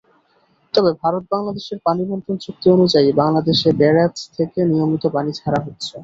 তবে ভারত-বাংলাদেশের পানিবণ্টন চুক্তি অনুযায়ী বাংলাদেশে ব্যারাজ থেকে নিয়মিত পানি ছাড়া হচ্ছে।